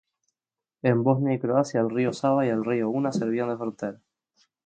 En Bosnia y Croacia el río Sava y el río Una servían de frontera.